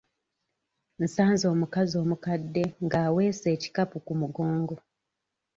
Nsanze omukazi omukadde nga aweese ekikapu ku mugongo.